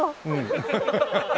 ハハハハハ！